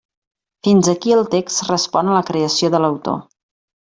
Fins aquí el text respon a la creació de l'autor.